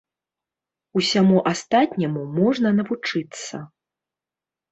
Усяму астатняму можна навучыцца.